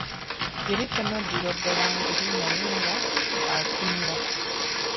Yali tannaddira ddala ngulu, naye nga atunula.